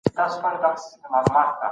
د لستوڼي ماران ډیر دي.